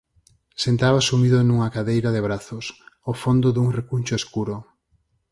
Sentaba sumido nunha cadeira de brazos, ao fondo dun recuncho escuro.